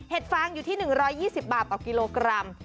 ฟางอยู่ที่๑๒๐บาทต่อกิโลกรัม